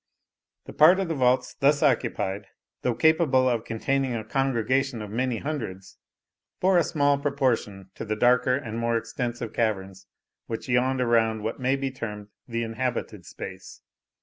The part of the vaults thus occupied, though capable of containing a congregation of many hundreds, bore a small proportion to the darker and more extensive caverns which yawned around what may be termed the inhabited space.